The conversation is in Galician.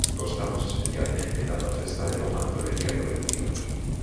Gostamos especialmente cando a festa leva a unha tolería colectiva.